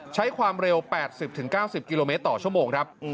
ใช้ความเร็ว๘๐๙๐กิโลเมตรต่อชั่วโมงครับ